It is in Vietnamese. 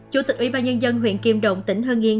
chủ tịch ủy ban nhân dân huyện kim động tỉnh hưng yên